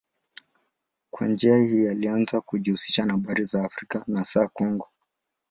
Kwa njia hii alianza kujihusisha na habari za Afrika na hasa Kongo.